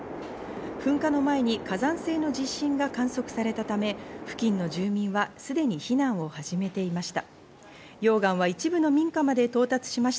噴火の前に火山性の地震が観測されたため、付近の住民はすでに避難を始めていました。